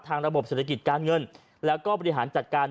ระบบเศรษฐกิจการเงินแล้วก็บริหารจัดการ